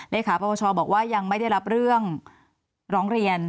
เลขาปรปชบอกว่ายังไม่ได้รับเรื่องร้องเรียน